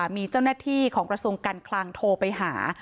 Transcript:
มีเจ้าหน้าที่ของกระทรวงการคลังโทรไปหา